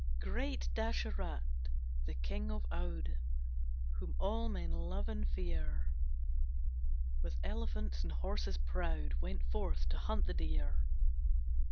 PART II. Great Dasarath, the King of Oude, Whom all men love and fear, With elephants and horses proud Went forth to hunt the deer.